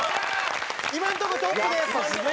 今のとこトップです。